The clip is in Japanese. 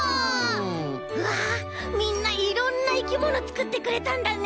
うわみんないろんないきものつくってくれたんだね！